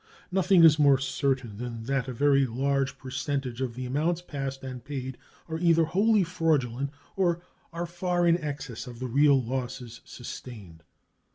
Nothing is more certain than that a very large percentage of the amounts passed and paid are either wholly fraudulent or are far in excess of the real losses sustained.